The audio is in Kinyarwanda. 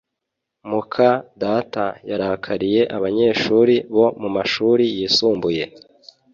muka data yarakariye abanyeshuri bo mumashuri yisumbuye